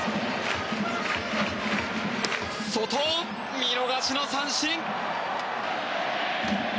外、見逃しの三振！